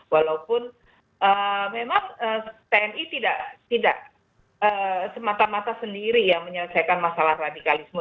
walaupun memang tni tidak semata mata sendiri ya menyelesaikan masalah radikalisme